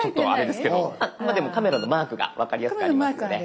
でもカメラのマークが分かりやすくありますよね？